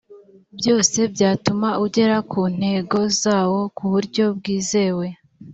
byose byatuma ugera ku ntego zawo ku buryo bwizewe